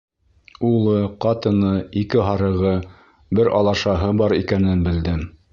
Улы, ҡатыны, ике һарығы, бер алашаһы бар икәнен белдем.